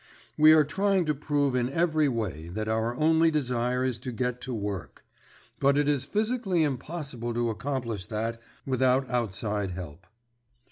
We are trying to prove in every way that our only desire is to get to work. But it is physically impossible to accomplish that without outside help.